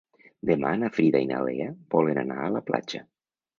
Demà na Frida i na Lea volen anar a la platja.